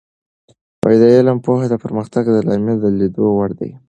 د علم پوهه د پرمختګ د لامله د لید وړ ده.